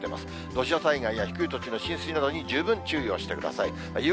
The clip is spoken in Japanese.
土砂災害や低い土地の浸水などに十分注意をしてください。